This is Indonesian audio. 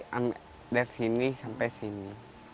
dari sini sampai sini